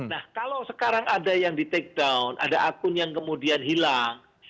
nah kalau sekarang ada yang di take down ada akun yang kemudian hilang